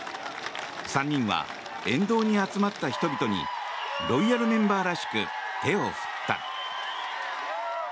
３人は沿道に集まった人々にロイヤルメンバーらしく手を振った。